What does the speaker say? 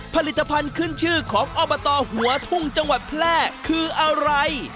ผลิตภัณฑ์ขึ้นชื่อของอบตหัวทุ่งจังหวัดแพร่คืออะไร